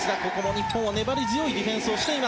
日本、粘り強いディフェンス。